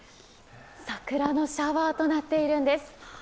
桜のシャワーとなっているんです。